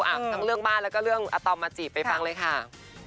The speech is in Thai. อ่ะทั้งเรื่องบ้านแล้วก็เรื่องอาตอมมาจีบไปฟังเลยค่ะ